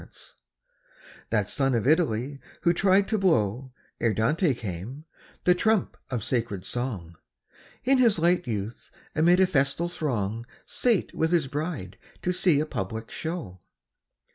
_ That son of Italy who tried to blow, Ere Dante came, the trump of sacred song, In his light youth amid a festal throng Sate with his bride to see a public show.